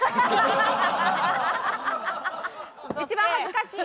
一番恥ずかしい？